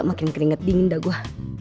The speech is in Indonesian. makin keringet dingin dah gue